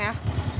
makasih ya bang